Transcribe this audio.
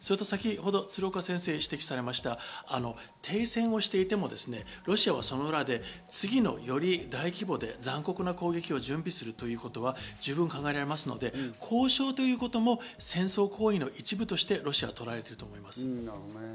先程、鶴岡先生が指摘されました、停戦をしていてもロシアはその裏で次のより大規模で残酷な攻撃を準備するということは十分考えられますので、交渉ということも戦争行為の一部としてロシアがとらえていると思います。